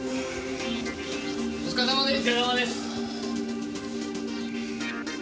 お疲れさまです！